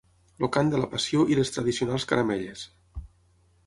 El Cant de la Passió i les tradicionals caramelles.